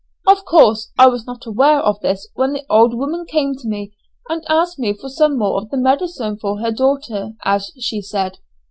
Of course, I was not aware of this when the old woman came to me and asked me for some more of the medicine for her daughter, as she said.